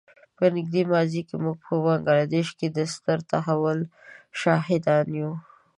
په نږدې ماضي کې موږ په بنګله دېش کې د ستر تحول شاهدان یو.